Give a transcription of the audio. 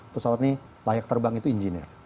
pesawat ini layak terbang itu engineer